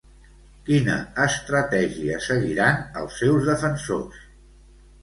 Quina estratègia seguiran els seus defensors?